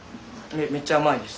めっちゃ甘いです。